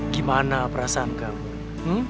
gimana perasaan kamu